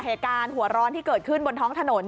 เหตุการณ์หัวร้อนที่เกิดขึ้นบนท้องถนน